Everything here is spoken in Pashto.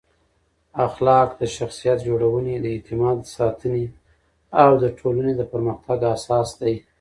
اخلاق د شخصیت جوړونې، د اعتماد ساتنې او د ټولنې د پرمختګ اساس دی.